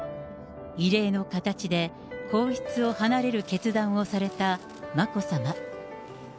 異例の形で皇室を離れる決断をされた眞子さま。